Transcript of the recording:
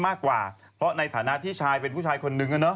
มากกว่าเพราะในฐานะที่ชายเป็นผู้ชายคนนึง